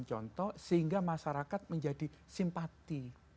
contoh sehingga masyarakat menjadi simpati